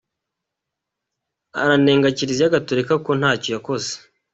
Ananenga Kiliziya Gatolika ko ntacyo yakoze.